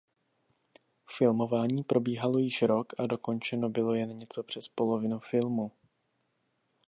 Filmování probíhalo již rok a dokončeno bylo jen něco přes polovinu filmu.